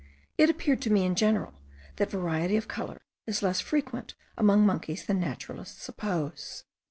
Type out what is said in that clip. It appeared to me in general, that variety of colour is less frequent among monkeys than naturalists suppose.